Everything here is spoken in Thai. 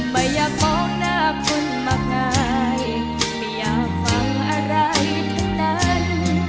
ไม่อยากมองหน้าคนมากมายไม่อยากฟังอะไรทั้งนั้น